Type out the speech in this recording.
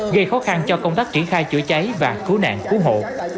gây khó khăn cho công tác triển khai chữa cháy và cứu nạn cứu hộ